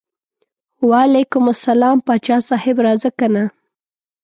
وعلیکم السلام پاچا صاحب راځه کنه.